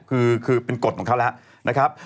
คือเป็นกฎของเขาแล้วนะครับ